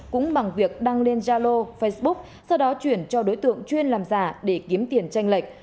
cũng bằng việc đăng lên zalo facebook sau đó chuyển cho đối tượng chuyên làm giả để kiếm tiền tranh lệch